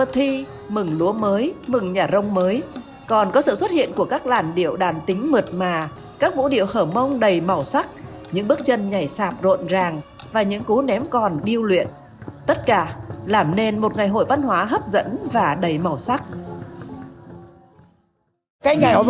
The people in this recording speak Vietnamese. thất hiện của các làn điệu đàn tính mượt mà các mũ điệu hở mông đầy màu sắc những bước chân nhảy sạp rộn ràng và những cú ném còn điêu luyện tất cả làm nên một ngày hội văn hóa hấp dẫn và đầy màu sắc